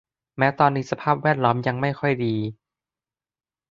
แม้ตอนนี้สภาพแวดล้อมยังไม่ค่อยดี